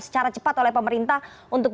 secara cepat oleh pemerintah untuk